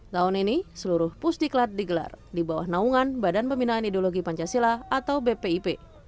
tahun ini seluruh pusdiklat digelar di bawah naungan badan pembinaan ideologi pancasila atau bpip